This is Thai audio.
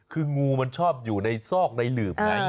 คืองูมันชอบอยู่ในซอกในหลืบไง